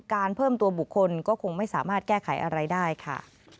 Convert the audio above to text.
เพิ่มตัวบุคคลก็คงไม่สามารถแก้ไขอะไรได้ค่ะ